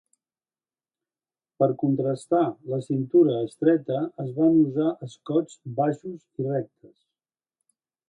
Per contrastar la cintura estreta, es van usar escots baixos i rectes.